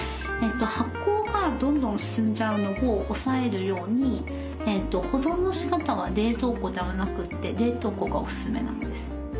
発酵がどんどん進んじゃうのを抑えるように保存のしかたは冷蔵庫ではなくて冷凍庫がおすすめなんです。